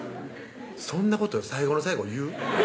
そんなこと最後の最後言う？